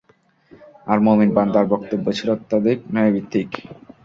আর মুমিন বান্দার বক্তব্য ছিল অত্যধিক ন্যায়ভিত্তিক।